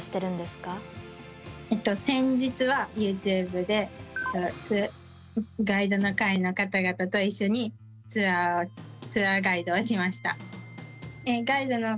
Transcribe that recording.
先日はＹｏｕＴｕｂｅでガイドの会の方々と一緒にツアーガイドをしました。